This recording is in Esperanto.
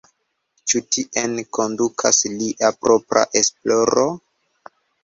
Ĉu tien kondukas lia propra esploro?